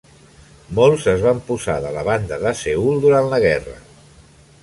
Molts es van posar de la banda de Seül durant la guerra.